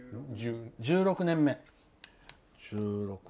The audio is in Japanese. １６年目。